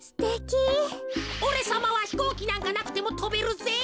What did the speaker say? おれさまはひこうきなんかなくてもとべるぜ。